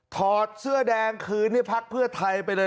อดเสื้อแดงคืนให้พักเพื่อไทยไปเลย